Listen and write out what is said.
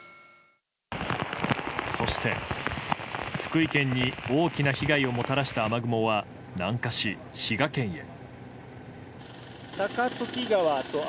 そして福井県に大きな被害をもたらした雨雲は南下し滋賀県へ。